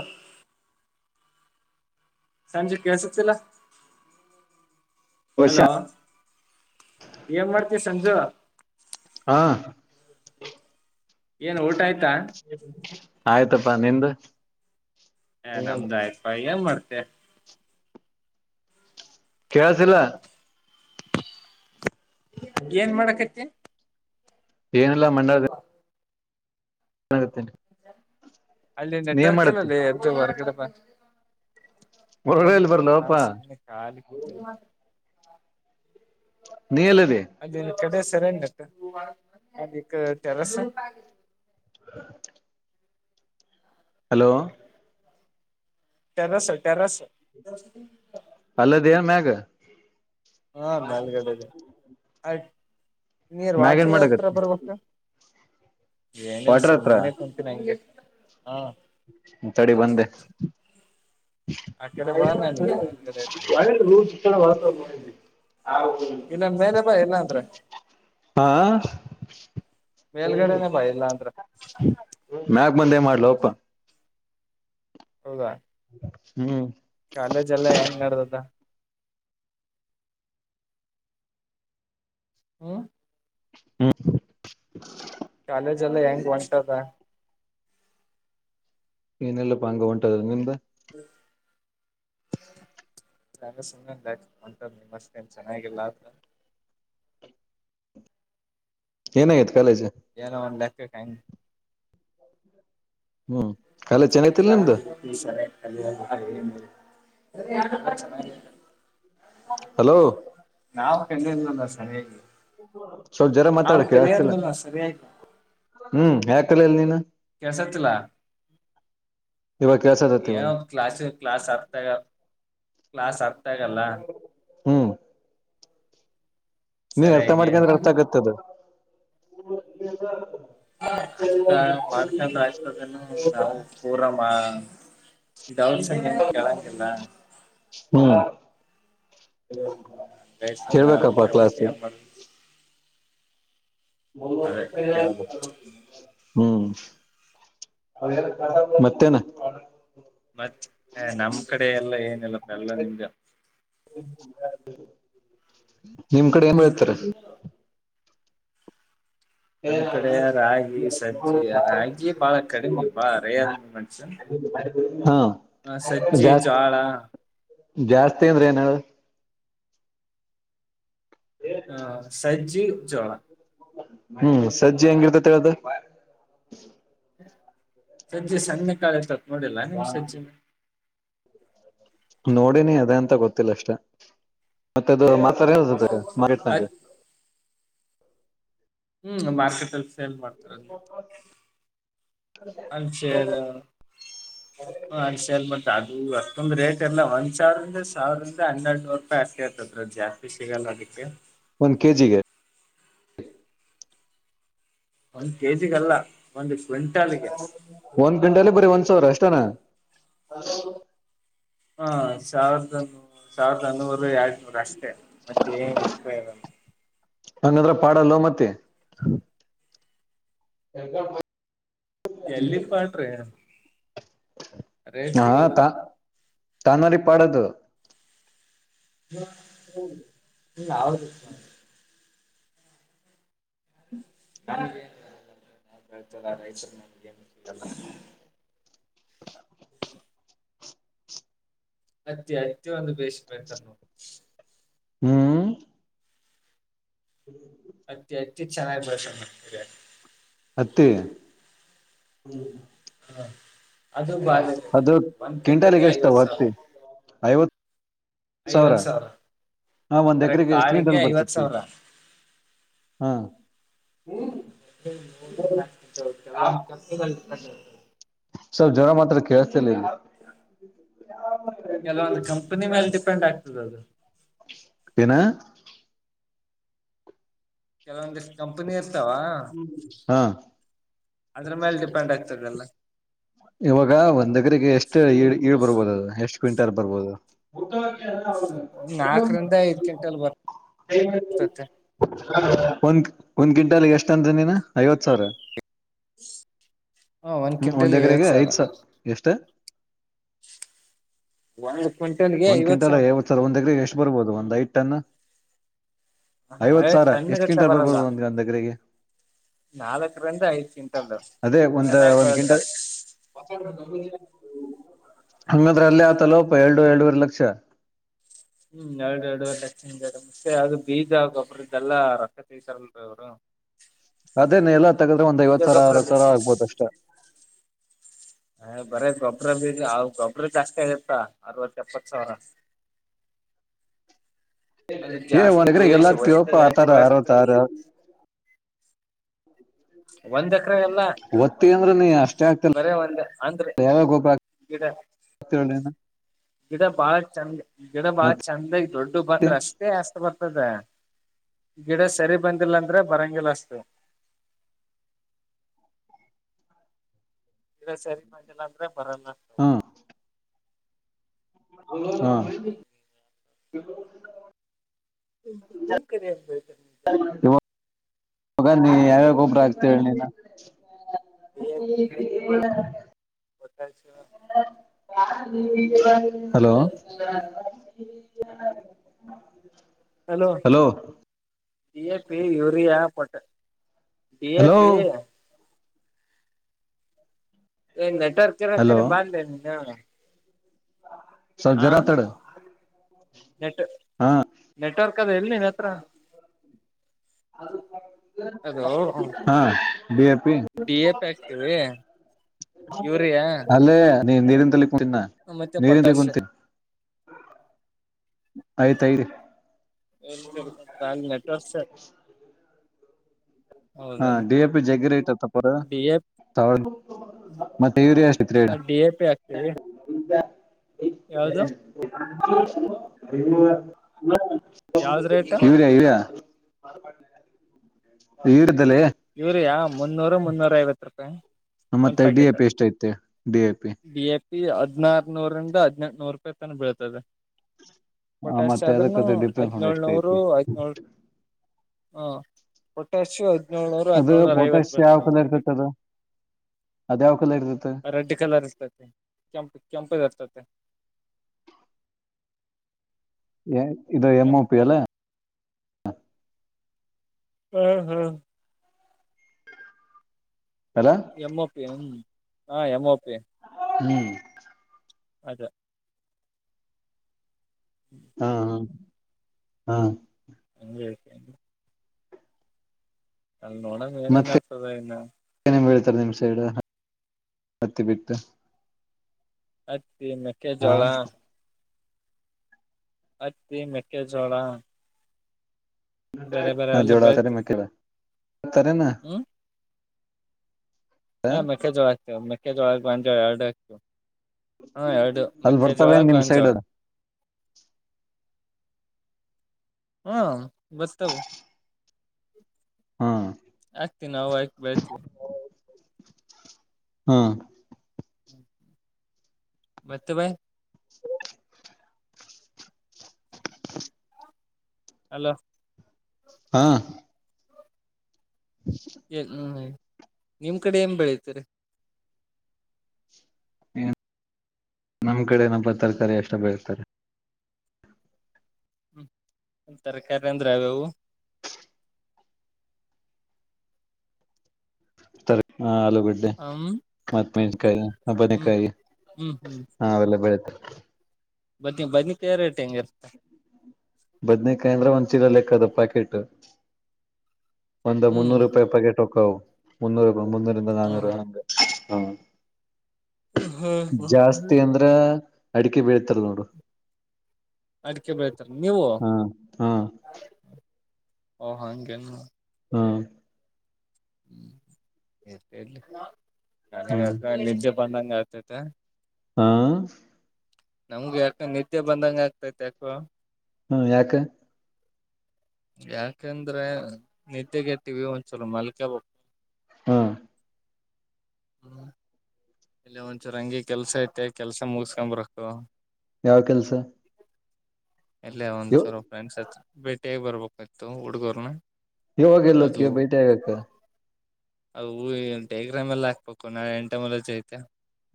ಹ ಸಂಜೆ ಕಸತಿಲ್ಲ ವರ್ಷ ಹಲೋ ಏನ್ ಮಾಡ್ತಿ ಸಂಜು ಹಾ ಏನು ಊಟ ಆಯ್ತಾ ಆಯ್ತಪ್ಪಾ ನಿಂದು ಹ ನಮ್ದು ಆಯ್ತು ಏನ್ ಮಾಡ್ತೆ ಕೇಳಸಿಲ್ಲ ಏನ್ ಮಾಡಕತಿ ಏನಲ್ಲಾ ಮ್ಣ ಹಾಗತ್ತೇನೆ ಅಲ್ಲಿ ನೆಟ್ವರ್ಕ್ ಎಲ್ಲಲ್ಲಿ ಎರ್ತೇರ್ಗಡಪ ಏನ ಹೊರಗಲ್ಲಿ ಇಲ್ಲಪ್ಪ ಬರ್ಲಪ್ಪಾ ನಾನನ್ಸಮ್ಮನೆ ಖಾಲಿ ಪ ನೀ ಎಲ್ಲದೆ ಇ ಕಡೆ ಸೆರೆಂಡ ಟೆರೆಸ್ [inaudible] ಹಲೋ ಟೆರೇಸ್ ಟೆರೇಸ್ ಅಲ್ಲಿದ್ದೀಯ ಮ್ಯಾಗ ಹಾ ಮೇಲ್ಗಡೆ ಇದೀನಿ ನೀರ್ ಮ್ಯಾಗ ಏನ್ ವಾಟರ್ ಹತ್ರ ಮಾಡಕತ್ತಿ ಬರ್ಬೇಕ ಏನನ್ ವಾಟ್ರ ಹತ್ರ ಸುಮ್ನೆ ಕುಂತ ನಂಗೆ ತಡಿ ಬಂದೆ ಆ ಕಡೆ ಬಾ ನಾನು ನ ಮೇಲ್ಗಡೆ ಇರ್ತೀನಿ ಚಿ ಹ ಇಲ್ಲ ಮೇಲೆ ಬಾ ಇಲ್ಲ ಅಂದ್ರ ಹಾ ಮೇಲ್ಗಡೆನ ಬಾ ಎಲ್ಲಾ ಅಂದ್ರ ಮ್ಯಾಗ ಬಂದೆ ಮಾಡ್ಲಪ್ಪ ಹೌದಾ ಹ್ಮ್ ಕಾಲೇಜ್ ಎಲ್ಲಾ ಹೆಂಗ್ ನಡ್ದದ ಹ್ಮ ಹ್ಮ ಕಾಲೇಜ್ ಎಲ್ಲ ಹೆಂಗ ವಷ್ಟ ಅದ ಏನೆಲ್ಲ ಪ ಅಂಗ ಉಂಟದ ನಿಮ್ದ ಹ್ಮ ಚ ಸುಮ್ಮಂಟ ನಿ ಮಸ್ನ್ ಚೆನ್ನಾಗಿಲ್ಲ ಅ ಏನಾಗತೆ ಏನೋ ಒಂದ್ ಲೆಕ್ಕ ಯ ಹ್ಮ ಚ ಚ ಹಲೋ ಸ ಸ್ವಲ್ಪ ಜ್ವರ ಮಾತಾಡಕ್ಕೆತಿಲ್ಲ ಸರಿಯಾಗಿ ಹ್ಮ್ ಯಾಕಲ ಇಲ್ ನೀನು ಕಸ ಚಲ ಇವಾಗ ಕೆಲ್ಸದತ್ ಯ ಇವಾಗ ಕ್ಲಾಸ ಕ್ಲಾಸ ಆತ ಕ್ಲಾಸ್ ಆಗ್ತಾಗಲ್ಲ ಹ್ಮ್ ನೀ ಅರ್ಥ ಸರಿಯಾಗಿ ಮಾಡ್ಕಂದ್ರೆ ಅರ್ಥ ಆಗತ್ತದ ಆಗ್ತಾ ಮಾಡ್ಕಂದ್ರ ಆಗ್ತದನ್ನು ನಾವು ಪೂರ ದೌರ್ ಸಂಖ್ಯ ಕೆಳಕಿಲ್ಲ ಹ ಅಚತ್ತ ಅಮ್ಮ ಹ್ಮ್ ಕೇಳ್ಬೇಕು ಮತ್ತೇನಾ ಮತ್ತ ನಮ್ ಕಡೆ ಎಲ್ಲಾ ಏನಿಲ್ಲಪ್ಪ ಎಲ್ಲ ನಿಮ್ದ ನಿಮ್ ಕಡೆ ಏನ್ ಹೇಳ್ತಾರೆ ನಮ ಕಡೆ ರಾಗಿ ಸಜಜಿ ರಾಗಿ ಬಾಳ ಕಡಿಮೆ ಬಾಳ ರೇರ್ ಮೂಮೆಂಟ್ಸ ಹಾ ಜಾಸ್ತಿ ಜಾಸ್ತಿ ಅಂದ್ರೆ ಏನ ಹ ಸಜ್ಜಿ ಜೋಳ ಹ್ಮ್ ಸಜ್ಜಿ ಹೆಂಗಿರ್ತತಿಳ್ದ ಸಜ್ಜೆ ಸಣ್ಣ ಕಾಳತತ್ ನೋಡಿಲ್ಲಾ ನಿಮ್ ಸಜ್ಜೆ ನೋಡಿನಿ ಅದೇ ಅಂತ ಗೊತ್ತಿಲ್ಲ ಅಷ್ಟೇ ಮತ್ತದು ಸರಿ ಹತತ ಮಾರಟ್ ನಕ [unintelligible] ಹ್ಮ್ ಮಾರ್ಕೆಟ್ ಅಲ್ಲಿ ಸೇಲ್ ಮಾಡ್ [unintelligible] - [inaudible] [unintelligible] ಒಂದ್ ರೇಟ್ ಎಲ್ಲ ಒಂದ್ ಸಾವಿರದಂದ ಸಾವಿರದಂದ ಹನ್ನೆರಡು ನೂರು ರೂಪಾಯಿ ಅಸ್ತಿ ಆಯತದದು ಜಾಸ್ತಿ ಸಿಗಲ್ಲ ಅದಕ್ಕೆ [unintelligible] ಒಂದ್ ಕೆಜಿಗೆ [unintelligible] ಒಂದ್ ಕೆಜಿಗಲ್ಲ ಒಂದ್ಷ್ಟ [unintelligible] ಒಂದು ಕಂಟಲ್ಲಿ ಬರ ಒಂದು ಸಾವರ ಅಷ್ಟತಾನ [unintelligible] ಹಾ ಸಾವಿರದ ಸಾವಿರದನ್ನೂರು ಎರ [unintelligible] ಷ್ಟೆ ಮತ್ತೆ ಏನ್ ಇತನ್ನು [unintelligible] ಹಂಗಂದ್ರ ಪಾಡಲ್ಲ ಮತ್ತೆ [unintelligible] ಎಲ್ಲಿಪ್ಪಾಟ್ರಿ [unintelligible] ಹಾ ತಾ ತಾಾನರಿ ಪಡದು [unintelligible] ಹ್ಮ ಹ ಅವ್ರ ನ ನ್ ನಾನ್ ಹತಲ್ಲ ರೈತರು ನಮಗೆ ಏನ್ ಸಿಗಲ್ಲ [unintelligible] ಅತ್ತ ಅತ್ಯ ಅಂದು ಬಸಿ ತನ್ನ [unintelligible] ಹ್ಮ್ [unintelligible] ಹ್ಮ [unintelligible] ಅತಿ ಅತಿ ಚನ್ನ ಬಷ [unintelligible] ಹತ್ತ [unintelligible] ಹ್ಮ [unintelligible] ಅದು ಕ್ವಿಂಟಲ್ಗೆ ಎಷ್ಟು ಐವತ್ ಸಾವಿರ ಹತ್ತಿ [unintelligible] ಐವತ್ತು ಸಾವಿರ ಹಾ ಒಂದ್ ಬರೇ ಎಕರೆಗೆ ಎಷ್ಟ್ ಕಾಳಿಗೆ ಗಂಟಲ್ಲಿ ಐವತ್ ಬರ್ತತಿ [unintelligible] ಸಾವಿರ ಹಾ [unintelligible] ನರ [inaudible] ಸರ್ ಜರ ಮಾತ್ರ ಕೇಳುತ್ತಿಲ್ಲ [unintelligible] ಕೆಲವೊಂದಂದು ಕಂಪನಿ ಮೇಲೆ ಡಿಪೆಂಡ್ ಆಗ್ತದ ಅದು [unintelligible] ನ [inaudible] ಚಲ ಕಂಪನಿ [unintelligible] ವಾ ಹಾ ಅದ್ರ ಮೇಲೆ ಡಿಪೆಂಡ್ ಆಗ್ತಿಲ್ಲ [unintelligible] ಇವಾಗ ಒಂದಗ್ರಿಗೆ ಎಷ್ಟು ಈ ಈಳ್ ಬರ್ಬಹದು ಅದು ಎಷ್ಟ್ ಕ್ವಿಂಟಲ್ ಬರ್ಬೋದು [unintelligible] ಅವ ಒಂದ್ ನಾಲ್ಕರಿಂದ ಐದ್ ಕ್ವಿಂಟಲ್ ಬರ್ತತೆ [unintelligible] ಒಂದು [unintelligible] ಒಂದ್ ಕ್ವಿಂಟಲ್ ಎಷ್ಟ ಅಂದ ನೀನ ಐವತ್ ಸಾವಿರ [unintelligible] ಹ ಹ್ಮ್ ಒಂದ್ ಕ್ವಿಂಟಲ್ಗೆ ಎಕರೆಗೆ ಐವತ್ ಐದ ಸಾವಿರ ಸ ಎಷ್ಟೇ [unintelligible] ಒಂದು [unintelligible] ಒಂದ್ ಕ್ವಿಂಟಲ್ ಯಾವ ಸರ್ ಒಂದ್ ಎಗ್ರ ಎಷ್ಟು ಬರ್ಬೋದು ಒಂದ್ ಐದು ಟನ್ [unintelligible] ಐವತ್ ಹಳೆ ಸಾವಿರ ಟನ್ ಎಷ್ಟ ಗಟ್ಲೆ ಕ್ವಿಂಟಲ್ ಬರಲ್ಲ ಬರ್ಬೋದು ಒಂದು ನನ್ನ ದಗಗೆ [unintelligible] ನಾಲ್ಕರಿಂದ ಐದ ಕ್ವಿಂಟಲ್ ಅದೇ ಚೆನ್ನಾಗ್ ಬಳದ್ರ [unintelligible] ಹಂಗಾದ್ರ ಅಲ್ಲೇ ಆತಲ್ಲವಪ್ಪ ಎರಡು ಎರಡೂರ್ ಲಕ್ಷ ಹ್ಮ್ ಎರಡು ಎರಡುಕ್ಷ ಎರಡು ಮತ್ತೆ ಅದು ಬೀಜ ಬೀಜಗಿಬುರುದಲ್ಲ ರೊಕ್ಕ ತಸಾರಲ್ರಿೀ ಅವ್ರು [unintelligible] ಅದೇನ ಎಲ್ಲ ತೆಗುದ್ರೆ ಒಂದ್ ಬೀಜ ಐವತ್ ಸಾವಿರ ಗೊಬ್ರ ಅರವತ್ ಸಾವಿರ ಆಗ್ಬೋದ ಅಷ್ಟ [unintelligible] ಹ ಬರ ಗೊಬ್ಬ್ರ ಬೀ ಗೊಬ್ಬ್ರ ಜಾಸ್ತಿ ಆತ್ತ ಅರವತ್ತ ಎಪ್ಪತ್ ಸಾವಿರ [unintelligible] [inaudible] ಅಂದ್ರೆ ಏ ಜಾಸ್ತಿ ಒಣಗ್ರ ಎಲ್ಲ ಬೇಷ್ ಆಕ್ತಿವಪ್ಪ ಒತ್ತಿಗೆ ಹಾಕಿ ಆತರ ಆರ ಬೆಳಸ್ತ ತಾರ [unintelligible] ಒಂದ [unintelligible] ಒತ್ತಿ ಅಂದ್ರ ನೀ ಅಷ್ಟೇ ಆಗ್ತಿಲ್ಲ ಬರೇ ಒಂದ್ ಅಂದ್ರೆ ಯ ಗೋಪ [unintelligible] ಗಿಡ ಹತ್ತಳ್ಳನ [unintelligible] ಗಿಡ ಬಾಳ ಚಂದ ಗಿಡ ಬಾಳ ಚಂದ ದೊಡ್ಡು ಬಂದ್ರೆ ಅಷ್ಟೇ ಅಸ್ ಬರ್ತದ [unintelligible] ಗಿಡ ಸರಿ ಬಂದಿಲ್ಲಂದ್ರೆ ಬರಂಗಿಲ್ಲಷ್ಟತ [unintelligible] ಈರ ಸರಿ ಮಾಡಿಲ್ಲ ಅಂದ್ರೆ ಬರನ್ಗಗ್ತವೆ ಹ್ಮ ಹಾ ಹ ನಿಮ್ ಕಡೆ ಏನ್ ಬೆಳಿತಾರ ನೀವು ಜಾಸ್ತಿ [unintelligible] ಹ ನೀ ಯಾವಾಗ ಒಬರ ಆಗ್ತ ನೀ [unintelligible] ಹ ಬತ್ತಾಯಸ [unintelligible] ಹಲೋ ಮತ್ತೆ [unintelligible] ಯೂರಿಯಾ ಹಲೋ ಎಪಿ ಯೂರಿಯಾ ಪಟ್ಟ ಹಲೋ ಎಪಿ ಏನ್ ನೆಟ್ವರ್ಕ್ ಹಲೋ ಇರತೆ ಬಂದೇ ನೀ ಸರ್ ಜರಾ ತಡ ನೆಟ್ ನೆಟ್ವರ್ಕ್ ಅದ ಎಲ್ಲಿ ನೀನ್ ಹತ್ರ ಅದು ಅದು ಹಾ ಬಿಎಪಿ ಡಿ ಎ ಪಿ ಹಾಕ್ತಿವಿ ಯೂರಿಯಾ ಅಲ್ಲೇ ನೀ ನೀರಿಿಂದಲ್ಲಿ ಕುಂತೀ ಮತ್ತೆ ನೀರಿಿಂದಲ್ಲಿ ಪೊಟ್ಯಾಷ್ ಕುಂತೀಿ [unintelligible] ಹಾ ಹೌದೇನು ಡಿ ಎ ಪಿ ಜಗ್ಗಿರಿ ಐತತ್ತಪ್ಪರ ಡಿ ಎ ಮತ್ತೆ ಇವರಿ ಎಷ್ಟು ಗ್ರೇಟ್ ಆಗ್ತೇವಿ ಯಾವ್ದ್ ರೇಟ್ [unintelligible] ಇವಾರಿಯ ಇವರಿಯಾ ಮುನ್ನೂರು ಮುನ್ನೂರ ಐವತ್ ರೂಪಾಯಿ ಒಂದ್ ಮತ್ತೆ ಡಿ ಎ ಪ್ಯಾಕೆಟ್ ಪಿ ಎಷ್ಟ ಐತೆ ಡಿ ಎ ಪಿ ಈ ಹದ್ಾರನೂರಂದ ಹದ್ಿನಂನೂರು ರೂಪಾಯಿ ತನ ಬೀಳ್ತದೆ ಪೊಟ್ಯಾಶ ಮತ್ತೆ ಆದದ್ರನು ಅದಕ್ಕದು ಡಿಫ್ರೆನ್ಸ್ ಎಷ್ಟ ಹದ್ನಳ್ನೂರು ಐತಿ ಹದಿನಳ್ ಹಾ ಪೊಟ್ಯಾಾಸು ಹದಿನೇಳಳ್ನೂರು ಅದು ಹದ್ನೇಳಳ್ನೂರ ಐವತ್ತು ಪೊಟ್ಯಾಶ್ ಯಾವ ಬರ್ತದ ಒಂದ್ ಕಲರ್ ಪ್ಯಾಕೆಟ್ ಇರ್ತೈತಿ ಅದು ಅದ್ಯಾವ ಕಲರ್ ಇರ್ತೈತೆ ರೆಡ್ ಕಲರ್ ಇತ ಕೆಂಪ ಕೆಂಪತ ಇದು ಎಂ ಕೆಂಪು ಪಿ ಅಲ್ಲ ಹ್ಮ್ ಹ್ಮ್ ಅಲ್ಲ ಎಂಓಪಿ ಹ್ಮ ಹ ಎಮಓಪಿ ಹ್ಮ್ ಅದೇ ಹಾ ಹಾ ಹಾ ಹಂಗೆ ಅಲ್ಲಿ ನೋಡಣ ಏನೇನ್ ಮತ್ತೆ ಆಗ್ತದ ಇನ್ನ [unintelligible] ಹತ್ತಿ ಮಕ್ಕೆ ಹಾ ಜೋಳ ಹತ್ತಿ ಮೆಕ್ಕೆೆ ಜೋಳ ಬೆಳಿತೀವಿ ಹ್ಮ್ [unintelligible] ಹ ಮಕ್ಕೆೆಜೋಳ ಆಗ್ತವೆ ಮೆಕ್ಕೆೆ ಜೋಳ ಬಂದ ಎರಡು ಆಗ್ತವೆ ಹಾ ಎರಡು ಅಲ್ಲಿ ಮಕ್ಕೆೆ ಜೋಳ ಬರ್ತಾವೇನ್ ನಿಮ್ ಬಂದ ಸೈಡ್ ಜೋಳ ಅದು ಹ್ಮ ಬಲಿತಾವೋ ಹಾ ಆಾಗ್ತವಿ ನಾವು ಹಾಕಿ ಬೆಳ್ತವಿ ಹಾ [inaudible] ಮತ್ತೆ ಭಾಯ್ [unintelligible] ಅಲೋ ಹಾ ಏ ಹ್ಮ್ ನಿಮ್ ಕಡೆ ಏನ್್ ಬೆಳತರಿ ಏನ್ ನಮ್ ಕಡೆ ನಪ್ಪ ತರಕಾರಿ ಎಷ್ಟ ಬೆಳ್ತಾರೆ ತರಕಾರಿ ಅಂದರೆ ಯಾವು ಯಾವುದು [unintelligible] ಗಡ್ಡೆ ಹ್ಮ್ ಮತ್ತ ಹ್ಮ್ ಮೆಸಕಾಯಿಬನಕಾಯಿ ಹ್ಮ್ ಹ ಅವೆಲ್ಲ ಬೆಳತೆ ಬದನಿ ಬದನಿ ಕಾಯ ರೇಟ್ ಹೆಂಗ ಇರ್ತ್ತ ಬದನೇಕಾಯಿ ಅಂದ್ರ ಒಂದಚೀಲ ಲೆಕ್ಕ ಅದು ಪ್ಯಾಕೆಟ್ ಒಂದ ಹ್ಮ್ ಮುನ್ನೂರು ರೂಪಾಯಿ ಪಕೆಟ್ ಹಕ್ಕವು ಮುನ್ನೂರುಿ ಮುನ್ನೂರಿಂದ ನಾನೂರು ಹ್ಮ್ ಹಂಗ ಹಾ ಹ್ಮ್ ಜಾಸ್ತಿ ಅಂದ್ರ ಅಡುಕೆ ಬೀಳ ತದ ನೋಡು. ಅಡಿಕೆ ಬೆಳತಾರ ನೀವು ಹಾ ಹಾ ಓ ಹಂಗೇನು. ಹ್ಮ್ ಹಾ [unintelligible] ನಿಜ ಬಂದಂಗಾತತೆ. ಹಾ ನಮ್ಗೆ ಯಾಕ ನಿದ್ದೆ ಬಂದಂಗ ಆಗ್ತೈತ್ ಯಾಕೋ. ಹ್ಮ್ ಯಾಕ? ಯಾಕಂದ್ರೆ ನಿದ್ದೆೆಗೆಡ್ತೀವಿ ಒಂದ್ಸಲ ಮಲ್ಕ ಬೇಕ್. ಹಾ ಹ್ಮ ಇಲ್ಲ ಒಂದ್ಸಲ ಹಂಗೆ ಕೆಲ್ಸ ಐತೆ ಕೆಲ್ಸ ಮುಗಸ್ಕೊಂಡ್ ಬರಕ್ಕು. ಯಾವ್ ಕೆಲ್ಸ? ಇಲ್ಲೇ ಒಂದ್ ಇವ ಚೂರು ಫ್ರೆಂಡ್ಸ್ ಹ ಭೇಟಿಯಾಗಿ ಬರ್ಬೇಕಿತ್ತು ಹುಡ್ಗೂರ್ನ. ಇವಾಗ ಎಲ್ಲೋಕ್ಕಿ ಬೇಟಿ ಆಗಕ್ಕ. ಅ ಡಯಗ್ರಾಮೆಲ್ಲ ಹಾಕ್ಬೇಕು ನಾಳೆ ಎಂಟ [unintelligible] ಐತೆ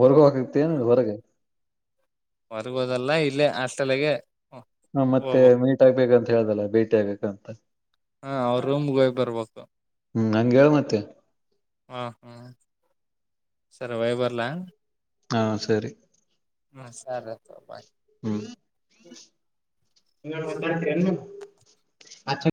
ಹೊರ್ಗೋಕತ್ತಿನ್ ಹೊರಗೆ. ಹೊರ್ಗೋದಲ್ಲ ಇಲ್ಲೆ ಹಸ್ಟೆಲ್ಲಾಗೆ. ಹ ಮತ್ತೆ ಮೀಟ್ ಆಗ್ಬೇಕಂತ ಹೇಳ್ದಲ್ಲ ಬೇಟಿ ಆಗ್ಬೇಕಂತ. ಹ ಅವ್ರ ರೂಮ್ಗೆ ಹೋಗಿ ಬರ್ಬೇಕು ಹ್ಮ್ ಹಂಗ ಹೇಳ್ ಮತ್ತೆ. ಹ ಹ್ಮ್ ಸರಿ ಹೊಯ್ಬರ್ಲಾ. ಹಾ ಸರಿ ಹ್ಮ ಸರಿತ್ ಬಾಯ್. ಹುಂ [unintelligible] ಆಚಿ